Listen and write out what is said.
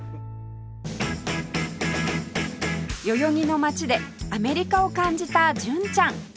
代々木の街でアメリカを感じた純ちゃん